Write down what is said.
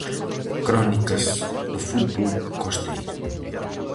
Crónicas do fútbol costeiro.